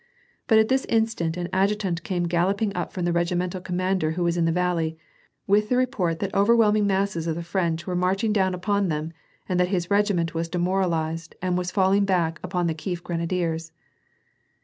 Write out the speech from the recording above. But at this instant an adjutant came galloping up from the regi mental commander who was in the valley, with the report that overwhelming masses of the French were marching down upon them, and that his regiment was demoralized, and was falling back upon the Kief grenadiers.